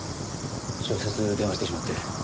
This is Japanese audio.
直接電話してしまって。